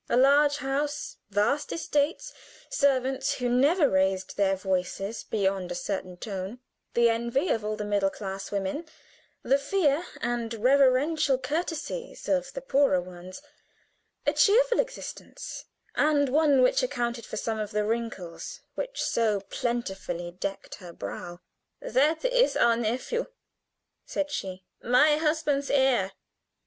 a large house, vast estates, servants who never raised their voices beyond a certain tone; the envy of all the middle class women, the fear and reverential courtesies of the poorer ones a cheerful existence, and one which accounted for some of the wrinkles which so plentifully decked her brow. "That is our nephew," said she; "my husband's heir."